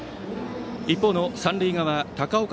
一方の三塁側高岡